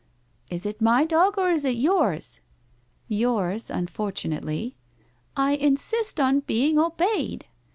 ' Is it my dog or IB it yours? '' Yours — unfortunately.' 1 I insist on being obeyed.'